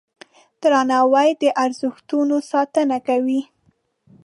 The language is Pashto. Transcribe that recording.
درناوی د ارزښتونو ساتنه کوي.